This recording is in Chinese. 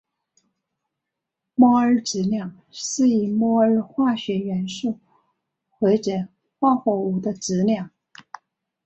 摩尔质量是一摩尔化学元素或者化合物的质量。